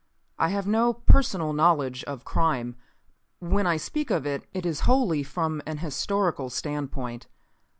"I have no personal knowledge of crime. When I speak of it, it is wholly from an historical standpoint.